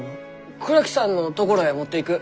倉木さんのところへ持っていく。